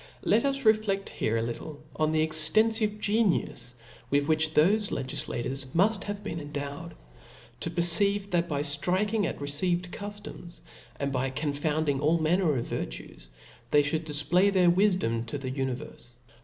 • Let us refleft here a little on the extenfive genius with which thofe legillators muft have been endowed, to perceive, that by ftriking at received cuftoms, and by confounding all manner of virtues, they (hould difplay their wifdom tathe univerfe.